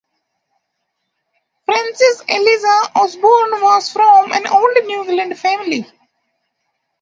Frances Eliza Osborne was from an old New England family.